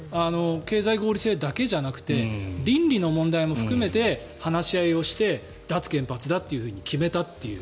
経済合理性だけじゃなくて倫理の問題も含めて話し合いをして脱原発だと決めたという。